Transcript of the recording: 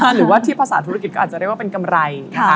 หรือว่าที่ภาษาธุรกิจก็อาจจะเรียกว่าเป็นกำไรนะคะ